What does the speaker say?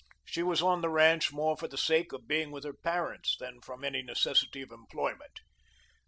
She was on the ranch more for the sake of being with her parents than from any necessity of employment.